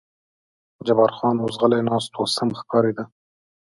جبار خان اوس غلی ناست و، سم ښکارېده.